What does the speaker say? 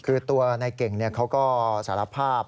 คือตัวนายเก่งเขาก็สารภาพ